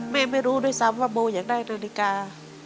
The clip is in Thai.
ไม่รู้ด้วยซ้ำว่าโบอยากได้นาฬิกา